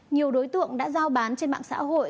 nhiều đối tượng đã giao bán trên mạng xã hội